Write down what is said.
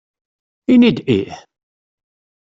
Ini-d ih!